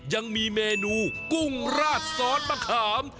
ยังมีเมนูกุ้งราดซอสมะขาม